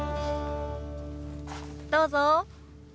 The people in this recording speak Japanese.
どうぞ。